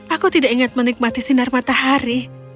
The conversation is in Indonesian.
aku tidak ingat menikmati sinar matahari